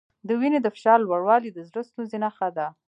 د وینې د فشار لوړوالی د زړۀ ستونزې نښه ده.